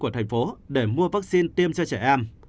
của thành phố để mua vaccine tiêm cho trẻ em